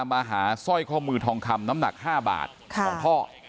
มาหาสร้อยข้อมือทองคำน้ำหนัก๕บาทของพ่อ